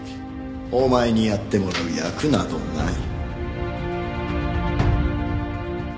お前にやってもらう役などない。